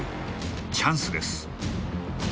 チャンスです。